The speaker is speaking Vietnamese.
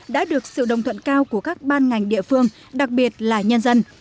đồng thuận cao của các ban ngành địa phương đặc biệt là nhân dân